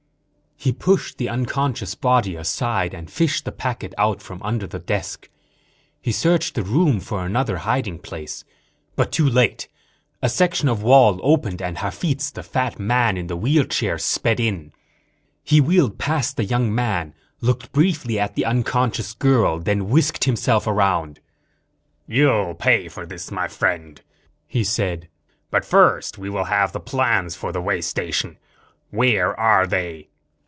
He pushed the unconscious body aside and fished the packet out from under the desk. He searched the room for another hiding place. But it was too late. A section of wall opened and Hafitz, the fat man in the wheelchair, sped in. He wheeled past the young man, looked briefly at the unconscious girl, then whisked himself around. "You will pay for this, my friend," he said. "But first we will have the plans for the way station. Where are they?"